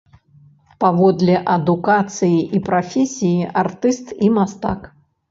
Паводле адукацыі і прафесіі артыст і мастак.